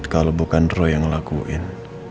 kalau bukan roy yang ngelakuin